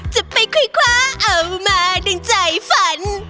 จะไปค่อยคว้าเอามาดึงใจฝัน